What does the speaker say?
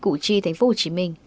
hồ chí minh tp hcm